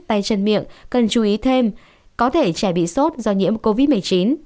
tay chân miệng cần chú ý thêm có thể trẻ bị sốt do nhiễm covid một mươi chín